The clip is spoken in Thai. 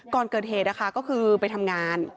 ก่อนเกิดเหตุนะคะก็คือไปทำงาน